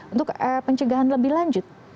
untuk pencegahan lebih lanjut